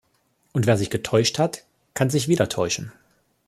Und wer sich getäuscht hat, kann sich wieder täuschen!